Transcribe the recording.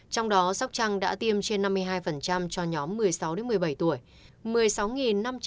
trong đó sóc trăng đã tiêm trên năm mươi hai cho nhóm một mươi sáu một mươi bảy tuổi